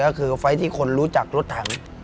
ก็คือไฟล์ที่คนรู้จักรถถัง